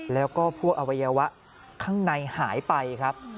แล้วก็พวกอวัยวะข้างในหายไปครับ